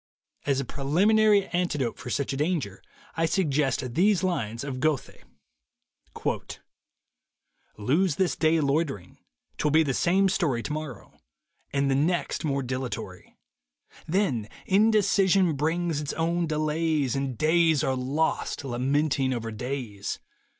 As a preliminary antidote for such a danger, I Lose this day loitering — 'twill be the same story Tomorrow — and the next more dilatory. Then indecision brings its own delays And days are lost lamenting over days.